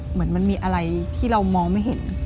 เหมือนมันมีอะไรที่เรามองไม่เห็น